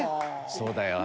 そうだよね。